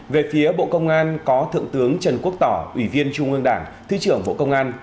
về phía bộ công an có thượng tướng trần quốc tỏ ủy viên trung ương đảng thứ trưởng bộ công an